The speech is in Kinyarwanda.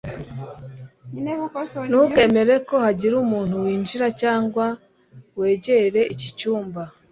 Ntukemere ko hagira umuntu winjira cyangwa wegera iki cyumba.